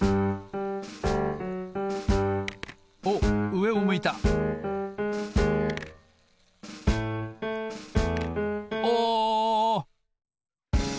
おっうえを向いたお！